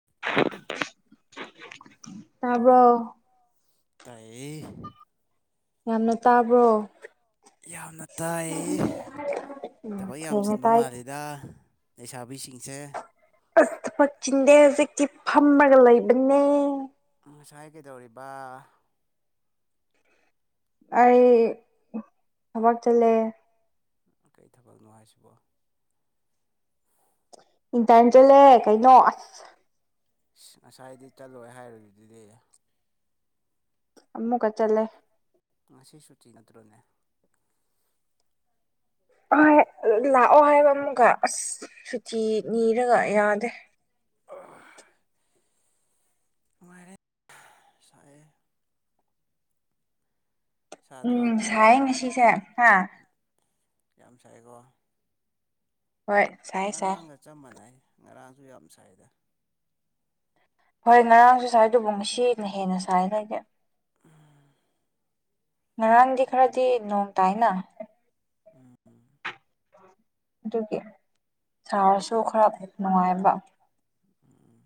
[inaudible] [inaudible] Hello ꯇꯥꯏꯌꯦ ꯌꯥꯝꯅ ꯇꯥꯕ꯭ꯔꯣ ꯌꯥꯝꯅ ꯇꯥꯏꯌꯦ ꯊꯕꯛ ꯌꯥꯝ ꯆꯤꯟꯕ ꯃꯥꯜꯂꯤ ꯗꯥ ꯂꯩꯁꯥꯕꯤꯁꯤꯡꯁꯦ ꯑꯁ ꯊꯕꯛ ꯆꯤꯟꯗꯦ ꯍꯧꯖꯤꯛꯇꯤ ꯐꯝꯔꯒ ꯂꯩꯕꯅꯦ ꯉꯁꯥꯏ ꯀꯩꯗꯧꯔꯤꯕ ꯑꯩ ꯊꯕꯛ ꯆꯠꯂꯦ ꯀꯩ ꯊꯕꯛꯅꯣ ꯍꯥꯏꯁꯤꯕꯣ ꯏꯟꯇ꯭ꯔꯟ ꯆꯠꯂꯦ ꯀꯩꯅꯣ ꯑꯁ ꯑꯁ ꯉꯁꯥꯏꯗꯤ ꯆꯠꯂꯣꯏ ꯍꯥꯏꯔꯨꯗꯨꯗꯤ ꯑꯃꯨꯛꯀ ꯆꯠꯂꯦ ꯉꯁꯤ ꯁꯨꯇꯤ ꯅꯠꯇ꯭ꯔꯣꯅꯦ ꯍꯣꯏ ꯂꯥꯛꯑꯣ ꯍꯥꯏꯕ ꯑꯃꯨꯛꯀ ꯑꯁ ꯁꯨꯇꯤ ꯅꯤꯔꯒ ꯌꯥꯗꯦ ꯑꯥ ꯅꯨꯡꯉꯥꯏꯔꯦ ꯁꯥꯏꯌꯦ ꯎꯝ ꯁꯥꯏꯌꯦ ꯉꯁꯤꯁꯦ ꯍꯥ ꯌꯥꯝ ꯁꯥꯏꯌꯀꯣ ꯉꯔꯥꯡꯒ ꯆꯞ ꯃꯥꯟꯅꯩ ꯉꯔꯥꯡꯁꯨ ꯌꯥꯝ ꯁꯥꯏꯗ ꯍꯣꯏ ꯉꯔꯥꯡꯁꯨ ꯁꯥꯏ ꯑꯗꯨꯕꯨ ꯉꯁꯤꯅ ꯍꯦꯟꯅ ꯁꯥꯏꯗ ꯑꯩꯗꯤ ꯎꯝ ꯉꯔꯥꯡꯗꯤ ꯈꯔꯗꯤ ꯅꯣꯡ ꯇꯥꯏꯅ ꯎꯝ ꯑꯗꯨꯒꯤ ꯁꯥꯔꯁꯨ ꯈꯔ ꯅꯨꯡꯉꯥꯏꯕ ꯎꯝ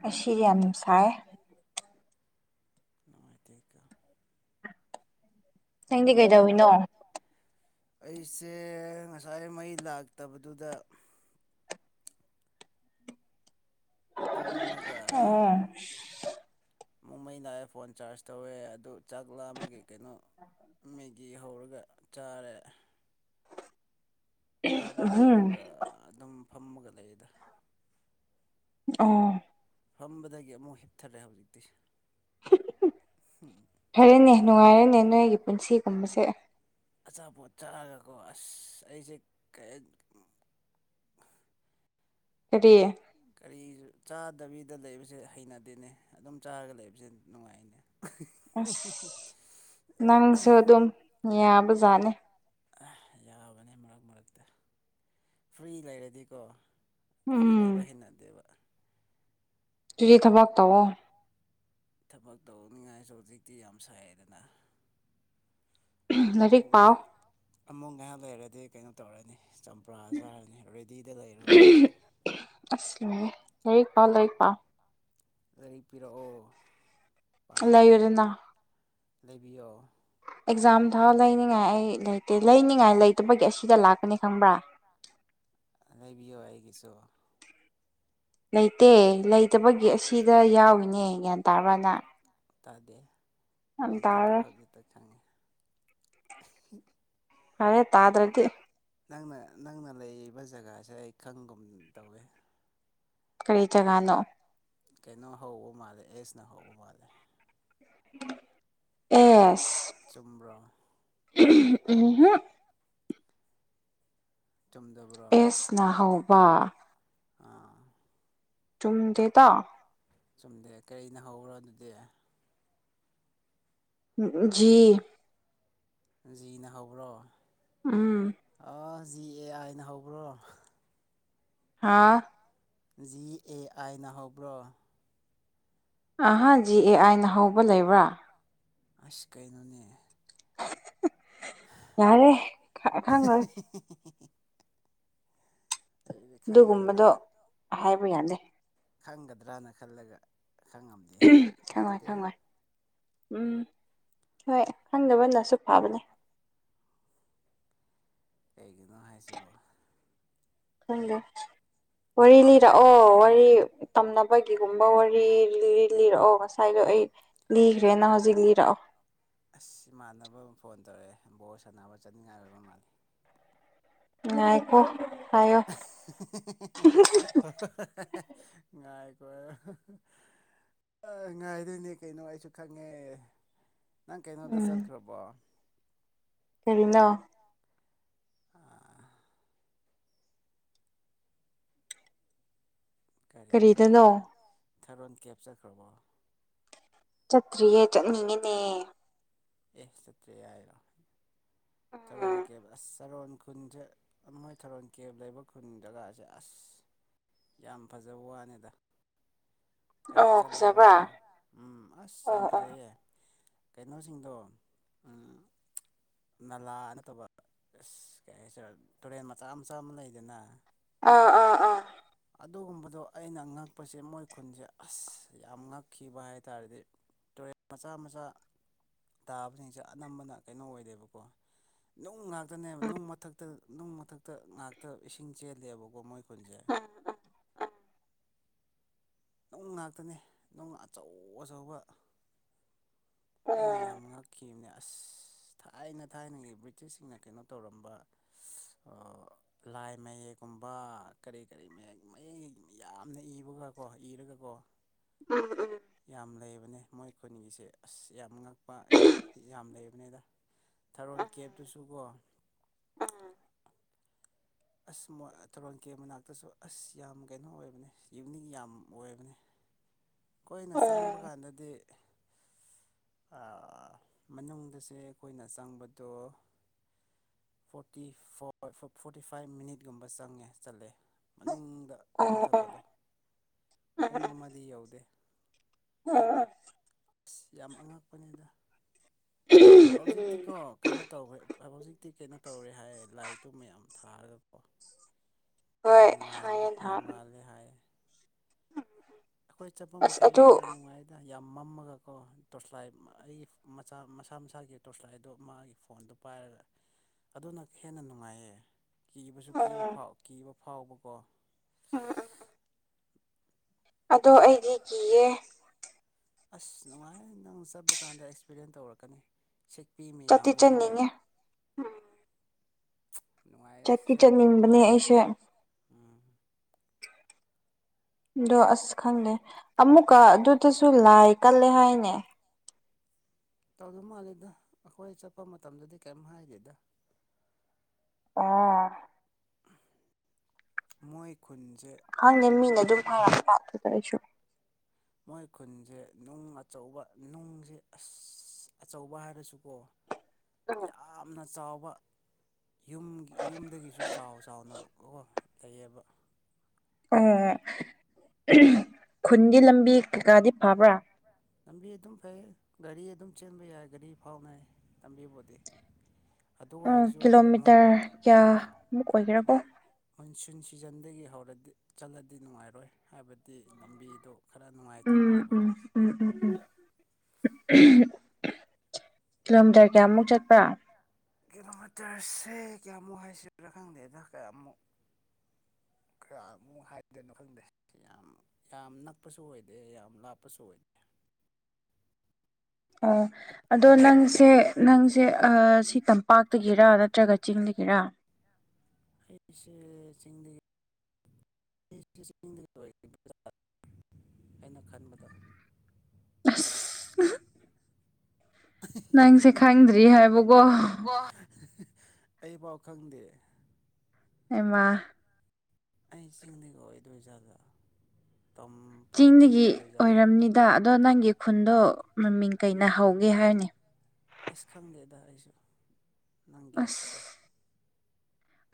ꯉꯁꯤꯗꯤ ꯌꯥꯝ ꯁꯥꯏꯌꯦ ꯅꯨꯡꯉꯥꯏꯇꯦꯀ ꯅꯪꯗꯤ ꯀꯩꯗꯧꯋꯤꯅꯣ ꯑꯩꯁꯦ ꯉꯁꯥꯏ ꯃꯩ ꯂꯥꯛꯇꯕꯗꯨꯗ ꯇꯨꯝꯃꯒ ꯑꯥ ꯑꯃꯨꯛ ꯃꯩ ꯂꯥꯛꯑꯦ ꯐꯣꯟ ꯆꯥ꯭ꯔꯖ ꯇꯧꯋꯦ ꯑꯗꯨ ꯆꯥꯛ ꯂꯥꯝꯕꯒꯤ ꯀꯩꯅꯣ ꯃꯦꯒꯤ ꯍꯧꯔꯒ ꯆꯥꯔꯦ ꯆꯥꯕ ꯂꯣꯏꯔꯒ ꯑꯗꯨꯝ ꯐꯝꯃꯒ ꯂꯩꯗ ꯑꯣ ꯐꯝꯕꯗꯒꯤ ꯑꯃꯨꯛ ꯍꯤꯞꯊꯔꯦ ꯍꯧꯖꯤꯛꯇꯤ ꯍꯝ ꯐꯔꯦꯅꯦ ꯅꯨꯡꯉꯥꯏꯔꯦꯅꯦ ꯅꯣꯏꯒꯤ ꯄꯨꯟꯁꯤꯒꯨꯝꯕꯁꯦ ꯑꯆꯥꯄꯣꯠ ꯆꯥꯔꯒꯀꯣ ꯑꯁ ꯑꯩꯖꯦ ꯀꯩ ꯀꯔꯤ ꯀꯔꯤꯁꯨ ꯆꯥꯗꯕꯤꯗ ꯂꯩꯕꯁꯦ ꯍꯩꯅꯗꯦꯅꯦ ꯑꯗꯨꯝ ꯆꯥꯔꯒ ꯂꯩꯕꯁꯦ ꯅꯨꯡꯉꯥꯏꯅꯦ ꯑꯁ ꯅꯪꯁꯨ ꯑꯗꯨꯝ ꯌꯥꯕꯖꯥꯠꯅꯦ ꯑꯥ ꯌꯥꯕꯅꯦ ꯃꯔꯛ ꯃꯔꯛꯇ ꯐ꯭ꯔꯤ ꯂꯩꯔꯗꯤꯀꯣ ꯐ꯭ꯔꯤ ꯂꯩꯕ ꯍꯩꯅꯗꯦꯕ ꯑꯗꯨꯨꯗꯤ ꯊꯕꯛ ꯇꯧꯑꯣ ꯊꯕꯛ ꯇꯧꯅꯤꯡꯉꯥꯏꯁꯨ ꯍꯧꯖꯤꯛꯇꯤ ꯌꯥꯝ ꯁꯥꯏꯑꯦꯗꯅ ꯑꯃꯨꯛ ꯉꯩꯍꯥꯛ ꯑꯃꯨꯛ ꯉꯩꯍꯥꯛ ꯂꯩꯔꯗꯤ ꯀꯩꯅꯣ ꯇꯧꯔꯅꯤ ꯆꯝ ꯄ꯭ꯔꯥꯁ ꯆꯥꯔꯅꯤ ꯔꯦꯗꯤꯗ ꯂꯩꯔꯕꯅꯦ ꯍꯧꯖꯤꯛ ꯑꯁ ꯎꯝ ꯂꯥꯏꯔꯤꯛ ꯄꯥꯎ ꯂꯥꯏꯔꯤꯛ ꯄꯥꯎ ꯂꯥꯏꯔꯤꯛ ꯄꯤꯔꯛꯑꯣ ꯄꯥꯒꯦ ꯂꯩꯕꯤꯌꯣ ꯑꯦꯛꯖꯥꯝ ꯐꯥꯎ ꯂꯩꯅꯤꯉꯥꯏ ꯑꯩ ꯂꯩꯇꯦ ꯂꯩꯅꯤꯡꯉꯥꯏ ꯂꯩꯇꯕꯒꯤ ꯑꯁꯤꯗ ꯂꯥꯛꯄꯅꯦ ꯈꯪꯕ꯭ꯔꯥ [unintelligible] ꯑꯥ ꯂꯩꯕꯤꯌꯣ ꯑꯩꯒꯤꯁꯨ꯫ ꯂꯩꯇꯦ ꯂꯩꯇꯕꯒꯤ ꯑꯁꯤꯗ ꯌꯥꯎꯔꯤꯅꯦ ꯒ꯭ꯌꯥꯟ ꯇꯥꯕ꯭ꯔꯥꯅ꯫ ꯇꯥꯥꯗꯦ ꯍꯧꯖꯤꯛꯇ ꯇꯥ ꯍꯧꯖꯤꯛꯇ ꯈꯪꯉꯦ꯫ ꯐꯔꯦ ꯇꯥꯗ꯭ꯔꯗꯤ꯫ ꯅꯪꯅ ꯅꯪꯅ ꯂꯩꯔꯤꯕ ꯖꯒꯥꯁꯦ ꯑꯩ ꯈꯪꯒꯨꯝ ꯇꯧꯋꯦ꯫ ꯀꯔꯤ ꯖꯒꯥꯅꯣ꯫ ꯀꯩꯅꯣ ꯍꯧꯕ ꯃꯥꯜꯂꯦ ꯑꯦꯁꯅ ꯍꯧꯕ ꯃꯥꯜꯂꯦ꯫ ꯑꯦꯁ꯫ ꯆꯨꯝꯕ꯭ꯔꯣ꯫ ꯎꯝꯍꯨꯝ꯫ ꯆꯨꯝꯗꯥꯕ꯭ꯔꯣ ꯑꯥ꯫ ꯆꯨꯝꯗꯦꯗ꯫ ꯆꯨꯝꯗꯦ ꯀꯔꯤꯅ ꯍꯧꯕ꯭ꯔꯣ ꯑꯗꯨꯗꯤ꯫ ꯎꯝ ꯎꯝ ꯖꯤ꯫ ꯖꯤꯅ ꯍꯧꯕ꯭ꯔꯣ꯫ ꯎꯝ꯫ ꯑꯥ ꯖꯤ ꯑꯦ ꯑꯥꯏꯅ ꯍꯧꯕ꯭ꯔꯣ꯫ ꯍꯥꯥ꯫ ꯖꯤ ꯑꯦ ꯑꯥꯏꯅ ꯍꯧꯕ꯭ꯔꯣ꯫ ꯑꯍꯥ ꯖꯤ ꯑꯦ ꯑꯥꯏꯅ ꯍꯧꯕ ꯂꯩꯕ꯭ꯔꯥ꯫ ꯑꯁ ꯀꯩꯅꯣꯅꯦ꯫ ꯑꯥ ꯌꯥꯔꯦ ꯈꯪ ꯈꯪꯉꯣꯏ꯫ ꯑꯗꯨꯒꯨꯝꯕꯗꯣ ꯍꯥꯏꯕ ꯌꯥꯗꯦ꯫ ꯈꯪꯒꯗ꯭ꯔꯅ ꯈꯜꯂꯒ ꯈꯪꯉꯝꯗꯦꯍꯦ ꯅꯨꯡꯉꯥꯏꯇꯦꯍꯦ꯫ ꯎꯝ ꯍꯣꯏ ꯈꯪꯗꯕꯅꯁꯨ ꯐꯕꯅꯦ꯫ ꯀꯩꯒꯤꯅꯣ ꯍꯥꯏꯁꯤꯕꯣ꯫ ꯈꯪꯗꯦ꯫ ꯋꯥꯔꯤ ꯂꯤꯔꯛꯑꯣ ꯋꯥꯔꯤ ꯇꯝꯅꯕꯒꯤꯒꯨꯝꯕ ꯋꯥꯔꯤ ꯂꯤ ꯂꯤꯔꯛꯑꯣ꯫ ꯉꯁꯥꯏꯗꯣ ꯑꯩ ꯂꯤꯒ꯭ꯔꯦꯅ ꯍꯧꯖꯤꯛ ꯂꯤꯔꯛꯑꯣ꯫ ꯑꯁ ꯏꯃꯥꯟꯅꯕ ꯑꯃ ꯐꯣꯟ ꯇꯧꯔꯛꯑꯦ ꯕꯣꯜ ꯁꯥꯟꯅꯕ ꯆꯠꯅꯤꯡꯉꯥꯏ ꯑꯣꯏꯕ ꯃꯥꯜꯂꯦ꯫ ꯉꯥꯏꯈꯣ꯫ [unintelligible] ꯉꯥꯏꯈꯣꯍꯦ꯫ ꯑ ꯉꯥꯏꯗꯣꯏꯅꯦ ꯀꯩꯅꯣ ꯑꯩꯁꯨ ꯈꯪꯉꯦ꯫ ꯅꯪ ꯀꯩꯅꯣꯗ ꯆꯠꯈ꯭ꯔꯕꯣ꯫ ꯀꯔꯤꯅꯣ꯫ ꯑꯥ꯫ ꯀꯔꯤꯕ ꯊꯥꯔꯣꯟ ꯀꯦꯞ ꯆꯠꯈ꯭ꯔꯕꯣ꯫ ꯆꯠꯇ꯭ꯔꯤꯌꯦ ꯆꯠꯅꯤꯡꯉꯤꯅꯦ꯫ ꯑꯦ ꯆꯠꯇ꯭ꯔꯤ ꯍꯥꯏꯔꯣ ꯊꯔꯣꯟ ꯀꯦꯚ ꯑꯁ ꯇꯔꯣꯟ ꯈꯨꯟꯖꯦ ꯃꯣꯏ ꯊꯥꯔꯣꯟ ꯀꯦꯚ ꯂꯩꯕ ꯈꯨꯟꯗꯒꯥꯖꯦ ꯑꯁ꯫ ꯌꯥꯝ ꯐꯖꯕ ꯋꯥꯅꯤꯗꯥ꯫ ꯑꯩ ꯆꯠꯂꯦꯕꯀꯣ ꯎꯝ ꯑꯁ ꯌꯥꯝ ꯐꯖꯩꯌꯦ꯫ ꯀꯩꯅꯣꯁꯤꯡꯗꯣ ꯎꯝ꯫ ꯅꯂꯥ ꯅꯠꯇꯕ ꯑꯁ ꯀꯩ ꯍꯥꯏꯁꯤꯔ ꯇꯨꯔꯦꯟ ꯃꯆꯥ ꯃꯆꯥ ꯑꯃ ꯂꯩꯗꯅꯥ꯫ ꯑ ꯑ ꯑꯥ ꯑꯥ ꯑꯥ ꯑꯗꯨꯒꯨꯝꯕꯗꯣ ꯑꯩꯅ ꯉꯛꯄꯖꯦ ꯃꯣꯏ ꯈꯨꯟꯖꯦ ꯑꯁ ꯌꯥꯝ ꯉꯛꯈꯤꯕ ꯍꯥꯏ ꯇꯥꯔꯗꯤ ꯇꯨꯔꯦꯜ ꯃꯆꯥ ꯃꯆꯥ ꯇꯥꯕꯖꯤꯡꯖꯦ ꯑꯅꯝꯕꯅ ꯀꯩꯅꯣ ꯑꯣꯏꯗꯦꯕꯀꯣ ꯅꯨꯡ ꯉꯥꯛ ꯇꯅꯦꯕ ꯅꯨꯡ ꯃꯊꯛꯇ ꯅꯨꯡ ꯃꯊꯛꯇ ꯉꯥꯛꯇ ꯏꯁꯤꯡ ꯆꯦꯜꯂꯦꯕꯀꯣ ꯃꯣꯏ ꯈꯨꯟꯖꯦ ꯅꯨꯡ ꯉꯥꯛꯇꯅꯦ ꯅꯨꯡ ꯑꯆꯧ ꯑꯆꯧꯕ ꯑꯩꯅ ꯌꯥꯝ ꯉꯛ ꯈꯤꯝꯅꯦ ꯑꯁ ꯊꯥꯏꯅ ꯊꯥꯏꯅꯒꯤ ꯕ꯭ꯔꯤꯇꯤꯁꯁꯤꯡꯅ ꯀꯩꯅꯣ ꯇꯧꯔꯝꯕ [unintelligible] ꯑꯥ ꯂꯥꯏ ꯃꯌꯦꯛꯀꯨꯝꯕ ꯀꯔꯤ ꯀꯔꯤ ꯃꯌꯦꯛ ꯃꯌꯦꯛ ꯃꯌꯥꯝꯅ ꯏꯕꯒ ꯀꯣ ꯏꯔꯒꯀꯣ ꯎꯝ ꯎꯝ ꯌꯥꯝ ꯂꯩꯕꯅꯦ ꯃꯣꯏ ꯈꯨꯟꯒꯤꯁꯦ ꯑꯁ ꯌꯥꯝ ꯉꯛꯄ ꯌꯥꯝ ꯌꯥꯝ ꯂꯩꯕꯅꯦꯗ ꯊꯥꯔꯣꯟ ꯀꯦꯚꯇꯨꯁꯨ ꯀꯣ ꯑꯁ ꯃꯣꯏ ꯊꯥꯔꯣꯟ ꯀꯦꯚ ꯃꯅꯥꯛꯇꯁꯨ ꯑꯁ ꯌꯥꯝ ꯒꯩꯅꯣ ꯑꯣꯏꯕꯅꯦ ꯌꯨꯅꯤꯛ ꯌꯥꯝ ꯑꯣꯏꯕꯅꯦ ꯈꯣꯏꯅ ꯆꯪꯕ ꯀꯥꯟꯗꯗꯤ ꯑꯥ ꯃꯅꯨꯡꯗꯁꯦ ꯑꯈꯣꯏꯅ ꯆꯪꯕꯗꯣ ꯐꯣꯔꯇꯤ ꯐꯣꯔ ꯐꯣꯔ ꯐꯨꯠ ꯇꯤ ꯐꯥꯏꯚ ꯃꯤꯅꯤꯠꯒꯨꯝꯕ ꯆꯪꯉꯦ ꯆꯠꯂꯦ ꯃꯅꯨꯡꯗ ꯗꯨꯝ ꯆꯠꯄꯗꯣ ꯄꯨꯡ ꯑꯃꯗꯤ ꯌꯧꯗꯦ ꯎꯝ ꯎꯝ ꯌꯥꯝ ꯑꯉꯛꯄꯅꯤꯗ ꯍꯧꯖꯤꯛꯇꯤꯀꯣ ꯀꯩꯅꯣ ꯇꯧꯒ꯭ꯔꯦ ꯍꯧꯖꯤꯛꯇꯤ ꯀꯩꯅꯣ ꯇꯧꯔꯦ ꯍꯥꯏꯌꯦ ꯂꯥꯏ ꯇꯨꯝ ꯃꯌꯥꯝ ꯊꯥꯔꯒꯀꯣ ꯌꯥꯝ ꯉꯥꯜꯂꯦ ꯌꯥꯝ ꯉꯥꯜꯂꯦ ꯍꯥꯏꯌꯦ ꯑꯈꯣꯏ ꯆꯠꯄ ꯃꯇꯝꯗꯗꯤ ꯌꯥꯝ ꯅꯨꯡꯉꯥꯏ ꯗ ꯌꯥꯝ ꯃꯝꯃꯒꯀꯣ ꯇꯣꯔꯁꯂꯥꯏꯠ ꯑꯩ ꯃꯆꯥ ꯃꯁꯥ ꯃꯁꯥꯒꯤ ꯇꯣꯔꯁꯂꯥꯏꯠꯗꯣ ꯃꯥꯒꯤ ꯐꯣꯟꯗꯣ ꯄꯥꯏꯔꯒ ꯑꯗꯨꯅ ꯍꯦꯟꯅ ꯅꯨꯡꯉꯥꯏꯌꯦ ꯀꯤꯕꯖꯨ ꯀꯤꯕ ꯐꯥꯎ ꯀꯤꯕ ꯐꯥꯎꯕꯀꯣ ꯑꯥ ꯑꯗꯣ ꯑꯩꯗꯤ ꯀꯤꯌꯦ ꯑꯁ ꯅꯨꯡꯉꯥꯏꯌꯦ ꯅꯪ ꯆꯠꯄ ꯀꯥꯟꯗ ꯑꯦꯛꯁꯄꯤꯔꯦꯟ ꯇꯧꯔꯛꯀꯅꯤ ꯁꯦꯛꯄꯤ ꯃꯌꯥꯝꯗꯨꯒꯀꯣ [unintelligible] ꯅꯨꯡꯉꯥꯏꯌꯦ ꯑꯁꯦꯡꯕ ꯎꯝ ꯗꯣ ꯑꯁ ꯈꯪꯗꯦ ꯑꯃꯨꯛꯀ ꯑꯗꯨꯗꯁꯨ ꯂꯥꯏ ꯀꯜꯂꯦ ꯍꯥꯏꯅꯦ ꯇꯧꯗ ꯃꯥꯜꯂꯦꯗ ꯑꯈꯣꯏ ꯆꯠꯄ ꯃꯇꯝꯗꯗꯤ ꯀꯩꯝ ꯍꯥꯏꯗꯦꯗ ꯑꯥ ꯃꯣꯏ ꯈꯨꯟꯖꯦ ꯈꯪꯗꯦ ꯃꯤꯅ ꯑꯗꯨꯝ ꯍꯥꯏꯔꯛꯄ ꯑꯗꯨꯗ ꯑꯩꯁꯨ ꯃꯣꯏ ꯈꯨꯟꯖꯦ ꯅꯨꯡ ꯑꯆꯧꯕ ꯅꯨꯡꯖꯦ ꯑꯁ ꯑꯆꯧꯕ ꯍꯥꯏꯔꯁꯨꯀꯣ ꯌꯥꯝꯅ ꯆꯥꯎꯕ ꯌꯨꯝꯒꯤ ꯌꯨꯝꯗꯒꯤꯁꯨ ꯆꯥꯎ ꯆꯥꯎꯅ ꯑꯣꯏ ꯂꯩꯌꯦꯕ ꯎꯝ ꯎꯝ ꯈꯨꯟꯗꯤ ꯂꯝꯕꯤ ꯀꯩꯀꯥꯗꯤ ꯐꯕ꯭ꯔꯥ ꯕ꯭ꯔꯥ ꯂꯝꯕꯤ ꯑꯗꯨꯝ ꯐꯩ ꯒꯥꯔꯤ ꯑꯗꯨꯝ ꯆꯦꯟꯕ ꯌꯥꯏ ꯒꯥꯔꯤ ꯐꯥꯎꯅꯩ ꯂꯝꯕꯤꯕꯨꯗꯤ ꯑꯗꯨ ꯑꯣꯏꯔꯁꯨ ꯃꯨꯨꯟ [unintelligible] ꯃꯨꯟꯁꯨꯟ ꯁꯤꯖꯟꯗꯒꯤ ꯍꯧꯔꯗꯤ ꯆꯠꯂꯗꯤ ꯅꯨꯡꯉꯥꯏꯔꯣꯏ ꯍꯥꯏꯕꯗꯤ ꯂꯝꯕꯤꯗꯣ ꯈꯔ ꯅꯨꯡꯉꯥꯏ ꯇꯧꯒꯅꯦꯕ ꯑꯁ ꯎꯝ ꯎꯝ ꯎꯝ꯫ [unintelligible] [inaudible] ꯀꯤꯂꯣꯃꯤꯇꯔꯁꯦ ꯀꯌꯥꯃꯨꯛ ꯍꯥꯏꯁꯤꯔ ꯈꯪꯗꯦꯗ ꯀꯌꯥꯃꯨꯛ ꯈꯔ ꯑꯃꯨꯛ ꯍꯥꯏꯗꯨꯅꯣ ꯈꯪꯗꯦ꯫ ꯌꯥꯝ ꯌꯥꯝ ꯅꯛꯄꯁꯨ ꯑꯣꯏꯗꯦ ꯌꯥꯝ ꯂꯥꯞꯄꯁꯨ ꯑꯣꯏ ꯑ꯫ ꯑꯗꯣ ꯅꯪꯁꯦ ꯅꯪꯁꯦ ꯑꯥ ꯁꯤ ꯇꯝꯄꯥꯛꯇꯒꯤꯔ ꯅꯠꯇ꯭ꯔꯒ ꯆꯤꯡꯗꯒꯤꯔꯥ꯫ ꯑꯩꯁꯦ ꯆꯤꯡꯗꯒꯤ꯫ [inaudible] ꯑꯩꯅ ꯈꯟꯕꯗ꯫ [unintelligible] [unintelligible] ꯑꯩꯕꯥꯎ ꯈꯪꯗꯦ꯫ ꯍꯩꯃꯥ꯫ ꯑꯩ ꯆꯤꯡꯗꯒꯤ ꯑꯣꯏꯗꯨꯏꯖꯥꯠꯂ ꯇꯝ ꯆꯤꯡꯗꯒꯤ ꯑꯣꯏꯔꯝꯅꯤꯗ ꯑꯗꯣ ꯅꯪꯒꯤ ꯈꯨꯟꯗꯣ ꯃꯃꯤꯡ ꯀꯩꯅ ꯍꯧꯒꯦ ꯍꯥꯏꯌꯨꯅꯦ꯫ ꯑꯁ ꯈꯪꯗꯦꯗ ꯑꯩꯁꯨ ꯅꯪ ꯒ꯭ꯌꯦꯁ ꯇꯧꯑꫭ꯫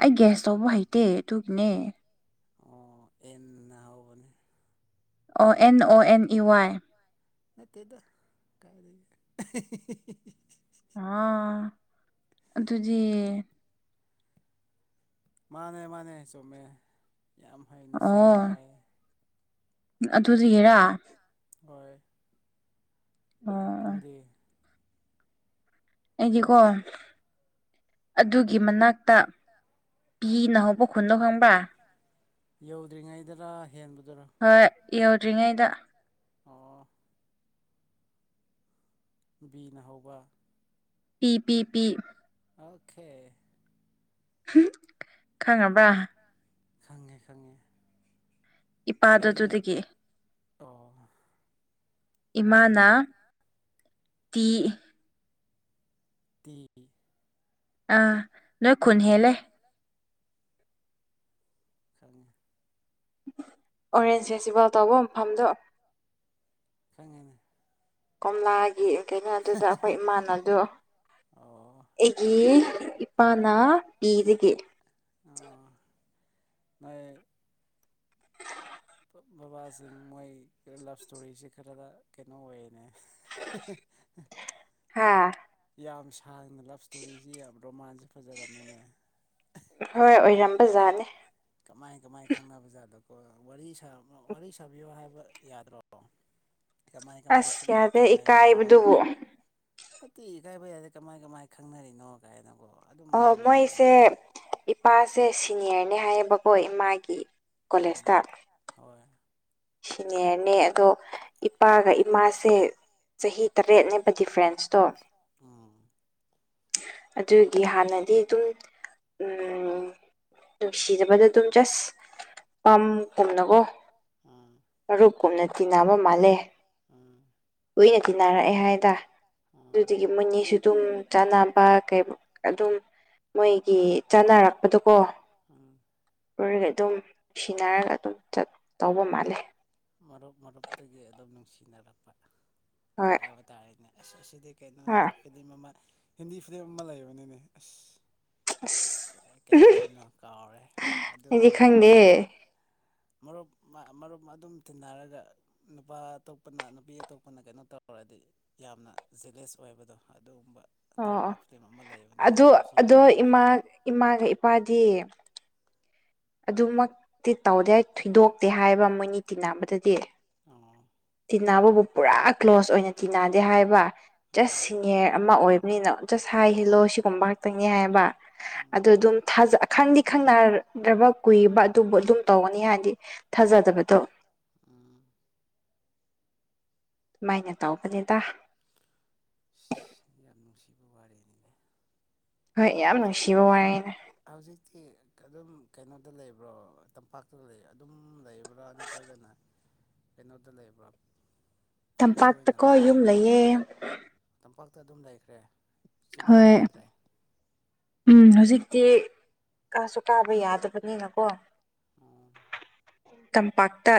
ꯑꯩ ꯒ꯭ꯌꯦꯁ ꯇꯧꯕ ꯍꯩꯇꯦ ꯑꯗꯨꯒꯤꯅꯦ꯫ ꯑꯣ ꯑꯦꯟ ꯅ ꯍꯧꯕꯅꯦ꯫ ꯑꯣ ꯑꯦꯟ ꯑꯣ ꯑꯦꯟ ꯏ ꯋꯥꯏ꯫ ꯅꯠꯇꯦꯗ ꯀꯥꯏꯗꯒꯤ꯫ [unintelligible] ꯑꯥ ꯑꯗꯨꯗꯤ ꯃꯥꯅꯦ ꯃꯥꯅꯦ ꯆꯨꯝꯃꯦ ꯌꯥꯝ ꯍꯩꯅ ꯁꯤꯡꯅ ꯍꯥꯏꯌꯦ꯫ ꯑꯗꯨꯗꯒꯤꯔꯥ꯫ ꯑꯥ ꯍꯣꯏ꯫ ꯑꯣ꯫ ꯅꯪꯗꯤ꯫ ꯑꯩꯗꯤꯀꯣ ꯑꯗꯨꯒꯤ ꯃꯅꯥꯛꯇ ꯄꯤ ꯅ ꯍꯧꯕ ꯈꯨꯟꯗꯣ ꯈꯪꯕ꯭ꯔꯥ꯫ ꯕꯥ ꯌꯧꯗ꯭ꯔꯤꯉꯩꯗꯔ ꯍꯦꯟꯕꯗꯨꯔꯥ꯫ ꯍꯣꯏ ꯌꯧꯗ꯭ꯔꯤꯉꯩꯗ꯫ ꯑꯣ꯫ ꯕꯤꯅ ꯍꯧꯕ꯫ ꯄꯤ ꯄꯤ ꯄꯤ꯫ ꯑꯣꯈꯦ꯫ [unintelligible] ꯈꯪꯉꯕ꯭ꯔꯥ꯫ ꯈꯪꯉꯦ-ꯈꯪꯉꯦ꯫ ꯑꯩꯒꯤ ꯑꯣ꯫ ꯏꯃꯥꯅ ꯇꯤ ꯇꯤ꯫ ꯑꯥ ꯅꯣꯏ ꯈꯨꯟ ꯍꯦꯜꯂꯦ꯫ ꯈꯪꯉꯦ꯫ ꯑꯣꯔꯦꯟꯁ ꯐꯦꯁꯇꯤꯕꯦꯜ ꯇꯧꯕ ꯃꯐꯝꯗꯣ꯫ ꯈꯪꯉꯦꯅꯦ꯫ ꯀꯣꯝꯂꯥꯒꯤ ꯀꯩꯅꯣ ꯑꯗꯨꯗ ꯑꯩꯈꯣꯏ ꯏꯃꯥꯟꯅꯕꯗꯣ ꯑꯦ ꯒꯤ ꯏꯄꯥꯅ ꯄꯤꯗꯒꯤ꯫ ꯑꯣ ꯅꯣꯏ ꯕꯕꯥꯖꯤꯡ ꯃꯣꯏ ꯂꯥꯞ ꯏꯁꯇꯣꯔꯤꯖꯤ ꯈꯔꯒ ꯀꯩꯅꯣ ꯑꯣꯏꯌꯦꯅꯦ ꯌꯥꯝ ꯁꯥꯡꯅ ꯂꯞꯁ ꯇꯣꯔꯤꯖꯤ ꯌꯥꯝ ꯔꯣꯃꯥꯟꯁꯖꯤ ꯐꯖꯔꯝꯃꯦꯅꯦ ꯍꯣꯏ ꯑꯣꯏꯔꯝꯕꯖꯥꯠꯅꯦ ꯀꯃꯥꯏ ꯀꯃꯥꯏ ꯈꯪꯅꯕꯖꯥꯠꯂꯀꯣ ꯋꯥꯔꯤ ꯁꯥ ꯑꯃ ꯋꯥꯔꯤ ꯁꯥꯕꯤꯌꯣ ꯍꯥꯏꯕ ꯌꯥꯗ꯭ꯔꯣ ꯀꯃꯥꯏ ꯀꯃꯥꯏ ꯊꯠ ꯊꯦꯡꯅꯔꯤꯅꯣ ꯐꯠꯇꯤꯌꯦ ꯏꯀꯥꯏꯕ ꯌꯥꯗꯦ ꯀꯃꯥꯏ ꯀꯃꯥꯏ ꯈꯪꯅꯔꯤꯅꯣ ꯀꯥꯏꯅꯀꯣ ꯑꯗꯨꯝ ꯍꯪꯒꯗꯧꯕꯅꯦ ꯏꯄꯥꯁꯦ ꯁꯤꯅꯤꯌꯔꯅꯦ ꯍꯥꯏꯌꯦꯕꯀꯣ ꯏꯃꯥꯒꯤ ꯎꯝ ꯍꯣꯏ ꯁꯤꯅꯤꯌꯥꯔꯅꯦ ꯇꯣ ꯏꯄꯥꯒ ꯏꯃꯥꯁꯦ ꯆꯍꯤ ꯇꯔꯦꯠꯅꯦꯕ ꯗꯤꯐ꯭ꯔꯦꯟꯁꯇꯣ ꯑꯗꯨꯒꯤ ꯍꯥꯟꯅꯗꯤ ꯗꯨꯝ ꯎꯝ ꯅꯨꯡꯁꯤꯖꯕꯗ ꯑꯗꯨꯝ ꯖꯁ ꯄꯥꯝꯀꯨꯝꯅꯀꯣ ꯑ ꯃꯔꯨꯞ ꯀꯨꯝꯅ ꯇꯤꯟꯅꯕ ꯃꯥꯜꯂꯦ ꯑꯥ ꯀꯨꯏꯅ ꯇꯤꯟꯅꯔꯛꯑꯦ ꯍꯥꯏꯗ ꯑꯗꯨꯗꯨꯒꯤ ꯃꯣꯏꯅꯤꯁꯨ ꯇꯨꯝ ꯆꯥꯟꯅꯕ ꯀꯩꯕ ꯑꯗꯨꯝ ꯃꯣꯏꯒꯤ ꯆꯠꯅꯔꯛꯄꯗꯨꯀꯣ ꯑꯥ ꯄꯨꯔꯒ ꯑꯗꯨꯝ ꯅꯨꯡꯁꯤꯅꯔꯒ ꯑꯗꯨꯝ ꯆꯠ ꯇꯧꯕ ꯃꯥꯜꯂꯦ ꯃꯔꯨꯞ ꯃꯔꯨꯞꯇꯒꯤ ꯑꯗꯨꯝ ꯅꯨꯡꯁꯤꯅꯔꯛꯄ ꯍꯣꯏ ꯍꯥꯏꯕ ꯇꯥꯔꯦꯅꯦ ꯑꯁ ꯑꯁꯤꯗꯤ ꯀꯩꯅꯣꯅꯦ ꯐꯤꯂꯤꯝ ꯑꯃ ꯍꯤꯟꯗꯤ ꯐꯤꯂꯝ ꯑꯃ ꯂꯩꯕꯅꯤꯅꯦ ꯑꯁ ꯀꯩ ꯀꯩ ꯐꯤꯂꯤꯝꯅꯣ ꯀꯥꯎꯔꯦ ꯑꯗꯨꯝꯕꯗꯣ ꯑꯁ ꯃꯔꯨꯞ ꯃ ꯃꯔꯨꯞ ꯑꯗꯨꯝ ꯇꯤꯟꯅꯔꯒ ꯅꯨꯄꯥ ꯑꯇꯣꯞꯄꯅ ꯅꯨꯄꯤ ꯑꯇꯣꯞꯄꯅ ꯀꯩꯅꯣ ꯇꯧꯔꯗꯤ ꯌꯥꯝꯅ ꯖꯦꯂꯦꯁ ꯑꯣꯏꯕꯗꯣ ꯑꯗꯨꯒꯨꯝꯕ ꯇꯧꯕ ꯐꯤꯂꯦꯝ ꯑꯃ ꯂꯩꯕꯅꯦ ꯌꯥꯝ ꯅꯨꯡꯁꯤꯕꯅꯦ ꯑꯗꯨ ꯐꯤꯂꯝꯗꯣ ꯏꯃꯥꯒ ꯏꯄꯥꯗꯤ ꯑꯗꯨꯃꯛꯇꯤ ꯇꯧꯗꯦ ꯊꯨꯏꯗꯣꯛꯇꯦ ꯍꯥꯏꯌꯦꯕ ꯃꯣꯏꯅꯤ ꯇꯤꯟꯅꯕꯗꯗꯤ ꯑꯣ ꯇꯤꯟꯅꯕꯕꯨ ꯄꯨꯔꯥ ꯀ꯭ꯂꯣꯁ ꯑꯣꯏꯅ ꯇꯤꯟꯅꯗꯦ ꯍꯥꯏꯕ ꯖꯁ ꯁꯤꯅꯤꯔ ꯑꯃ ꯑꯣꯏ ꯅꯤꯅ ꯖꯁ ꯍꯥꯏ ꯍꯤꯜꯂꯣ ꯁꯤꯒꯨꯝꯕ ꯈꯛꯇꯪꯅꯤ ꯍꯥꯏꯕ ꯑꯗꯨ ꯑꯗꯨꯝ ꯊꯥꯖ ꯈꯪꯗꯤ ꯈꯪꯅꯗ꯭ꯔꯕ ꯀꯨꯏꯕ ꯑꯗꯨꯕꯨ ꯑꯗꯨꯝ ꯇꯧꯒꯅꯤ ꯍꯥꯏꯗꯤ ꯊꯥꯖꯗꯕꯗꯣ ꯑꯥ ꯗꯨꯃꯥꯏꯅ ꯇꯧꯕꯅꯤꯗ ꯁꯤꯗꯤ ꯌꯥꯝ ꯅꯨꯡꯁꯤꯕ ꯋꯥꯔꯤꯅꯤꯅꯦ ꯍꯧꯖꯤꯛ ꯍꯧꯖꯤꯛꯇꯤ ꯑꯗꯨꯝ ꯀꯩꯅꯣꯗ ꯂꯩꯕ꯭ꯔꯣ ꯇꯝꯄꯥꯛꯇ ꯂꯩ ꯑꯗꯨꯝ ꯂꯩꯕ꯭ꯔꯥ ꯅꯠ ꯇ꯭ꯔꯒꯅ ꯀꯩꯅꯣꯗ ꯂꯩꯕ꯭ꯔꯣ ꯇꯝꯄꯥꯛꯇꯀꯣ ꯌꯨꯝ ꯂꯩꯌꯦ ꯇꯝꯄꯥꯛꯇ ꯑꯗꯨꯝ ꯂꯩꯈ꯭ꯔꯦ ꯍꯣꯏ ꯎꯝ ꯍꯧꯖꯤꯛꯇꯤ ꯀꯥꯁꯨ ꯀꯥꯕ ꯌꯥꯗꯕꯅꯤꯅꯀꯣ [inaudible] ꯇꯝꯄꯥꯛꯇ